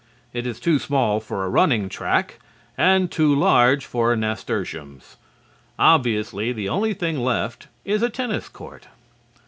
It is too small for a running track and too large for nasturtiums. Obviously, the only thing left is a tennis court.